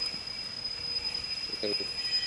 তিনি দ্বিতীয়বারের মত গুরুতর সড়ক দূর্ঘটনার শিকার হন।